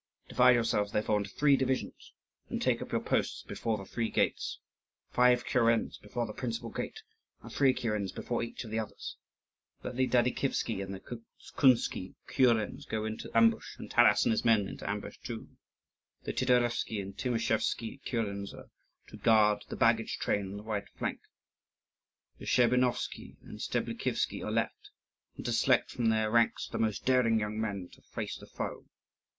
Divide yourselves, therefore, into three divisions, and take up your posts before the three gates; five kurens before the principal gate, and three kurens before each of the others. Let the Dadikivsky and Korsunsky kurens go into ambush and Taras and his men into ambush too. The Titarevsky and Timoschevsky kurens are to guard the baggage train on the right flank, the Scherbinovsky and Steblikivsky on the left, and to select from their ranks the most daring young men to face the foe.